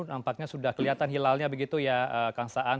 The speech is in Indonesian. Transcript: nampaknya sudah kelihatan hilalnya begitu ya kang saan